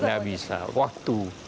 tidak bisa waktu